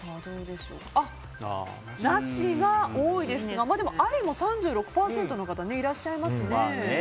なしが多いですがありも３６％の方いらっしゃいますね。